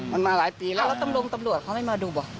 ไม่มีใครแจ้งว่าเขามา